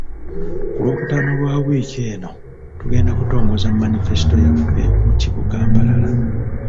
Ku Lwokutaano lwa wiiki eno, tugenda kutongoza manifesito yaffe mu kibuga Mbarara.